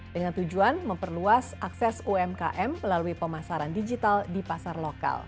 dengan tujuan memperluas akses umkm melalui pemasaran digital di pasar lokal